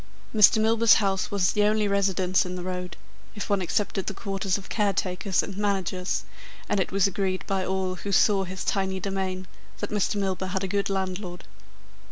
Mr. Milburgh's house was the only residence in the road, if one excepted the quarters of caretakers and managers, and it was agreed by all who saw his tiny demesne, that Mr. Milburgh had a good landlord.